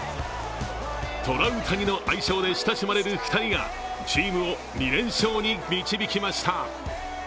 トラウタニの愛称で親しまれる２人がチームを２連勝に導きました。